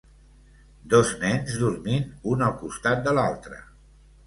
Dos nens dormint un al costat de l'altre.